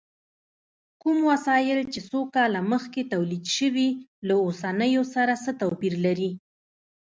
کوم وسایل چې څو کاله مخکې تولید شوي، له اوسنیو سره څه توپیر لري؟